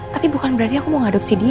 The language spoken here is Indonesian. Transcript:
tapi bukan berarti aku mau mengadopsi dia